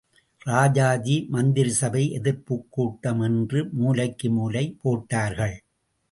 ராஜாஜி மந்திரிசபை எதிர்ப்புக் கூட்டம் என்று மூலைக்கு மூலை போட்டார்கள்.